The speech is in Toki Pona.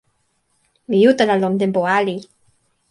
mi utala lon tenpo ali.